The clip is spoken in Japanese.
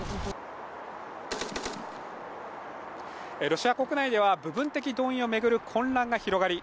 ロシア国内では部分的動員を巡る混乱が広がり